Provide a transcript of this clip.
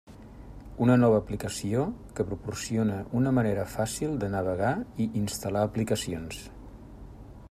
Una nova aplicació que proporciona una manera fàcil de navegar i instal·lar aplicacions.